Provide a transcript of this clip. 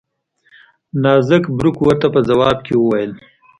نارت بروک ورته په ځواب کې وویل.